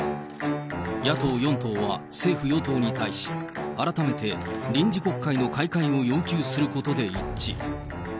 野党４党は政府・与党に対し、改めて臨時国会の開会を要求することで一致。